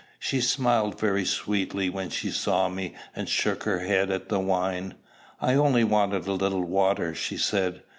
She smiled very sweetly when she saw me, and shook her head at the wine. "I only wanted a little water," she said.